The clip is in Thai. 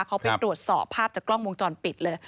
เขาไปตรวจสอบภาพจากกล้องวงจรปิดเลย